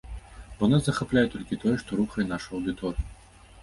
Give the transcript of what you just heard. Бо нас захапляе толькі тое, што рухае нашу аўдыторыю.